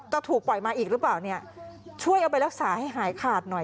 จะถูกปล่อยมาอีกหรือเปล่าเนี่ยช่วยเอาไปรักษาให้หายขาดหน่อย